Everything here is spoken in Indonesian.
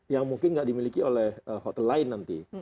yang mungkin tidak dimiliki oleh hotel lain nanti